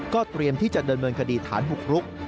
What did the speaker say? ก็เตรียมที่จะเดินเมื่อกดีถานบุกลุ๊ก